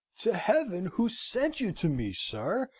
"To Heaven who sent you to me, sir!"